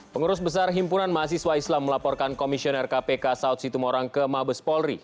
pengurus besar himpunan mahasiswa islam melaporkan komisioner kpk saud situmorang ke mabes polri